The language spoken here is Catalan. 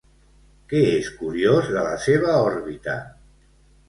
Què és curiós de la seva òrbita?